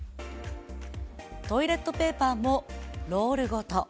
トイレットペーパーもロールごと。